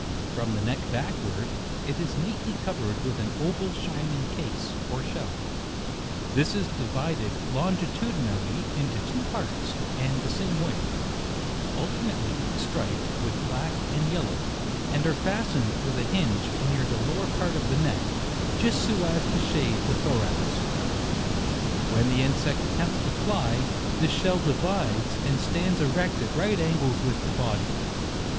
From the neck backward, it is neatly covered with an oval shining case or shell ; this is divided longitudinally into two parts, and the same way, alternately striped with black and yellow, and are fastened with a hinge, near the lower part of the neck, just so as to shade the thorax. When the insect attempts to fly, this shell divides, and stands erect at right angles with the body.